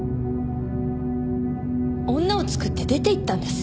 女をつくって出て行ったんです。